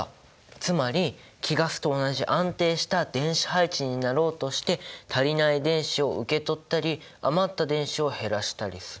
つまり貴ガスと同じ安定した電子配置になろうとして足りない電子を受け取ったり余った電子を減らしたりする。